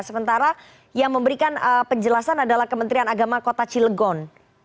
sementara yang memberikan penjelasan adalah kementerian agama kota cilegon